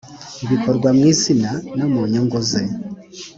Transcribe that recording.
bikorwa mu izina no mu nyungu ze